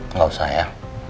enggak usah ya